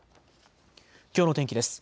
きょうの天気です。